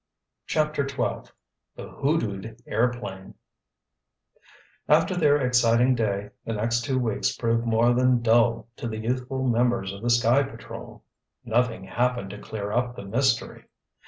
CHAPTER XII THE HOODOOED AIRPLANE After their exciting day, the next two weeks proved more than dull to the youthful members of the Sky Patrol. Nothing happened to clear up the mystery.